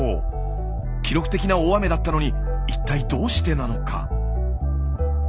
記録的な大雨だったのに一体どうしてなのか？